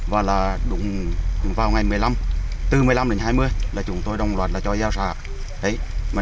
và đúng vào ngày một mươi năm từ một mươi năm đến hai mươi là chúng tôi đồng loạt cho gieo xả